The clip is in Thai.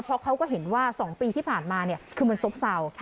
เพราะเขาก็เห็นว่า๒ปีที่ผ่านมาคือมันซบเศร้า